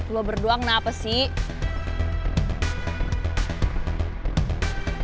lo berdua kenapa sih